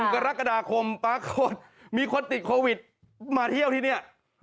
กรกฎาคมปรากฏมีคนติดโควิดมาเที่ยวที่นี่